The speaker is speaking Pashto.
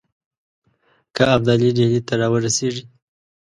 که ابدالي ډهلي ته را ورسیږي.